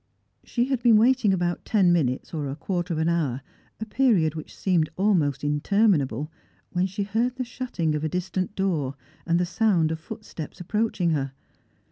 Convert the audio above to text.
She had been waiting about ten minutes or a quaitter of an hour — a period Avhich seemed almost interminable — when she heard the shutting of a distant door, and the sound of foot steps approaching her.